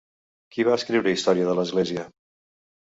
Qui va escriure Història de l'Església?